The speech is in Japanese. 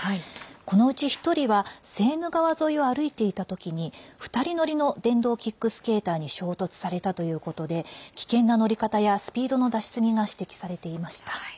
このうち１人はセーヌ川沿いを歩いていた時に２人乗りの電動キックスケーターに衝突されたということで危険な乗り方やスピードの出しすぎが指摘されていました。